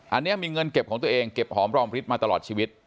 อันนี้มีเงินเก็บของตัวเองเก็บหอมรอมริตมาตลอดชีวิต